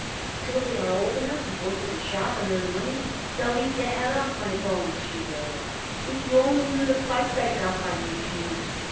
"Till they are old enough to go to the shop and earn money they'll eat the head off my bones," she wailed. "If you only knew the fights I got by each meal.